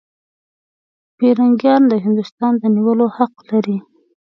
پیرنګیان د هندوستان د نیولو حق لري.